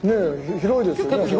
広いですよね歩幅。